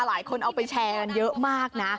หลายคนเอาไปแชร์กันเยอะมากนะ